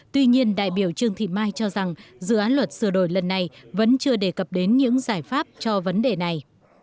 tuy nhiên đại biểu trương thị mai cho rằng dự án luật sửa đổi lần này vẫn chưa đề cập đến những giải pháp cho vấn đề này